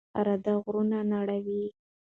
اراده غرونه نړوي.